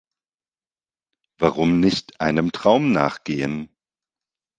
Warum nicht einem Traum nachgehen?